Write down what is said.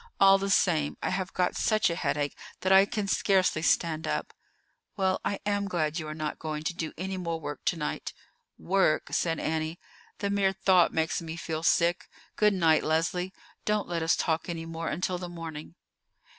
All the same, I have got such a headache that I can scarcely stand up." "Well, I am glad you are not going to do any more work to night." "Work!" said Annie. "The mere thought makes me feel sick. Good night, Leslie. Don't let us talk any more until the morning."